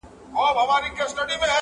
زه له توره بخته د توبې غیرت نیولی وم!